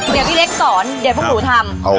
เดี๋ยวพี่เล็กสอนเดี๋ยวพวกหนูทำ